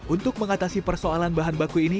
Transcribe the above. untuk mengatasi persoalan bahan baku ini